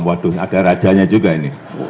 waduh ada rajanya juga ini